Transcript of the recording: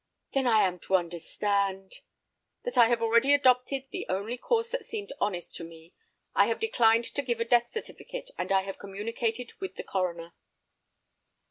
"Then I am to understand—?" "That I have already adopted the only course that seemed honest to me. I have declined to give a death certificate and I have communicated with the coroner."